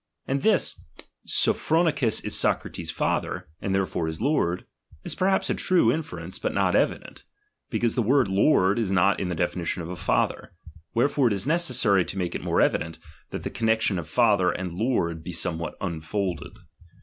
And this, Sojj/irojiisms is Socrates' Jather, and ^^erefore his lord, is perhaps a true inference, but n ot evident ; because the word lord is not in the •iefinition of a father : wherefore it is necessary, to maake it more evident, that the connexion of father ^laid lord be somewhat unfolded.